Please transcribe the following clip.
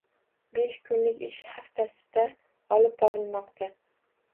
Besh kunlik ish haftasida olib borilmoqda.